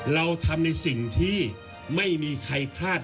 เราทำในสิ่งที่ไม่มีใครพลาด